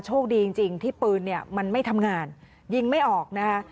โชคดีจริงที่ปืนเนี่ยมันไม่ทำงานยิงไม่ออกนะคะ